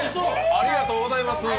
ありがとうございます。